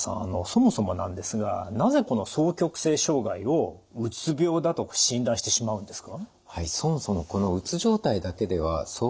そもそもなんですがなぜこの双極性障害をうつ病だと診断してしまうんですか？